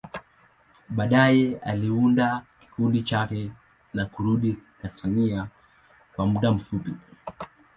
Baadaye, aliunda kikundi chake na kurudi Tanzania kwa muda mfupi.